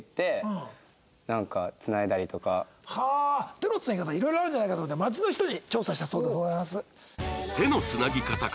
手のつなぎ方色々あるじゃないかという事で街の人に調査したそうでございます。